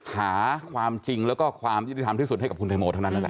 หาความจริงแล้วก็ความยุติธรรมที่สุดให้กับคุณแตงโมเท่านั้นแหละ